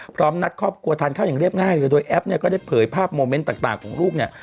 พร้อมนัดครอบครัวทานข้าวอย่างเรียบง่ายเลยโดยแอปเนี่ยก็ได้เผยภาพโมเมนต์ต่างของลูกเนี่ย